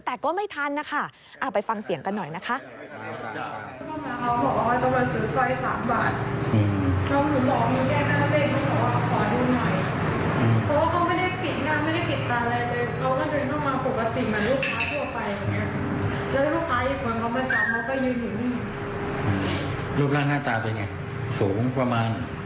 แต่ก็ไม่ทันนะคะไปฟังเสียงกันหน่อยนะคะ